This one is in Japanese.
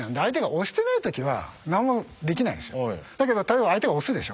だけど例えば相手が押すでしょ。